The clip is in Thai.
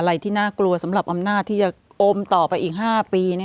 ที่น่ากลัวสำหรับอำนาจที่จะโอมต่อไปอีก๕ปี